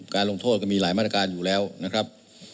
ลงโทษก็มีหลายมาตรการอยู่แล้วนะครับ